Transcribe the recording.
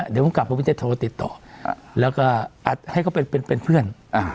เดี๋ยวผมไปกันกันติดต่อแล้วก็ให้เธอไปเป็นเพื่อน